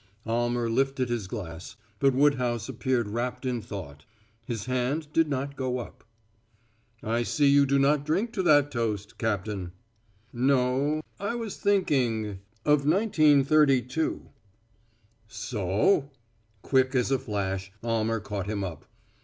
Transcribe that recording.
Almer lifted his glass, but Woodhouse appeared wrapped in thought; his hand did not go up. "I see you do not drink to that toast, Captain." "No I was thinking of 1932." "So?" Quick as a flash Almer caught him up.